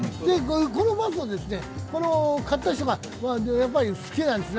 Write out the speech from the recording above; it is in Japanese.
このバスを買った人が、やっぱりバスが好きなんですね。